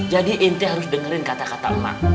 jadi nt harus dengerin kata kata emak